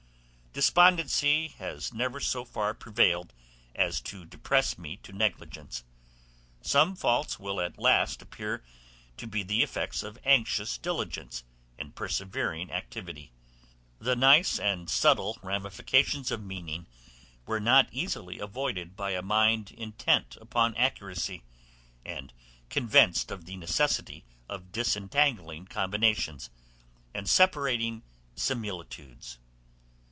Despondency has never so far prevailed as to depress me to negligence; some faults will at last appear to be the effects of anxious diligence and persevering activity. The nice and subtle ramifications of meaning were not easily avoided by a mind intent upon accuracy, and convinced of the necessity of disentangling combinations, and separating similitudes.